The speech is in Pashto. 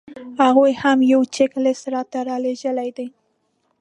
هغوی هم یو چیک لیست راته رالېږلی دی.